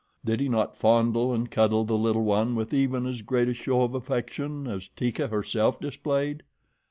Did he not fondle and cuddle the little one with even as great a show of affection as Teeka herself displayed?